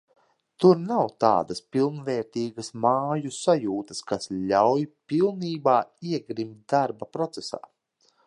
Tur nav tādas pilnvērtīgas māju sajūtas, kas ļauj pilnībā iegrimt darba procesā.